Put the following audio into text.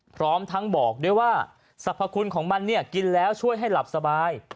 พร้อมทั้งบอกด้วยว่าสรรพคุณของมันเนี่ยกินแล้วช่วยให้หลับสบาย